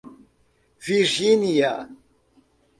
Virgínia